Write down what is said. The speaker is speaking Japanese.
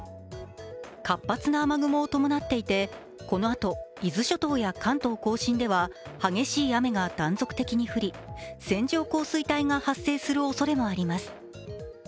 活発な雨雲を伴っていて、このあと伊豆諸島や関東甲信では激しい雨が断続的に降り線状降水帯が発生するおそれもあります。